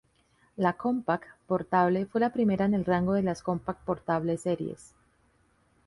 La Compaq portable fue la primera en el rango de las Compaq Portable Series.